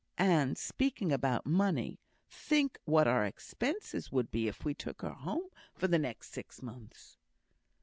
And, speaking about money, think what our expenses would be if we took her home for the next six months."